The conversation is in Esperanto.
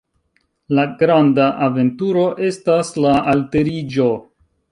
La granda aventuro estas la alteriĝo.